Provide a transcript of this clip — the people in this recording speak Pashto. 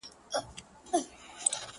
جهنم ته ځه چي ځاي دي سي اورونه.!